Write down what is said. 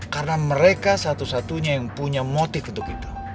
karena mereka satu satunya yang punya motif untuk itu